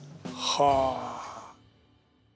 はあ。